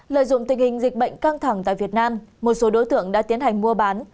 lợi dụng tình hình dịch bệnh căng thẳng tại việt nam một số đối tượng đã tiến hành mua bán